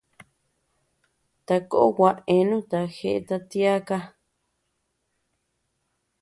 Takó gua eanuta jeʼeta tiaka.